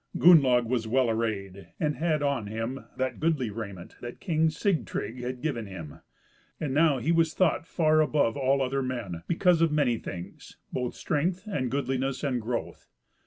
Gunnlaug was well arrayed, and had on him that goodly raiment that King Sigtrygg had given him; and now he was thought far above all other men, because of many things, both strength, and goodliness, and growth.